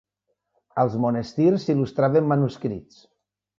Als monestirs s'il·lustraven manuscrits.